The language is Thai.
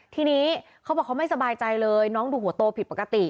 ทีนี้เขาบอกเขาไม่สบายใจเลยน้องดูหัวโตผิดปกติ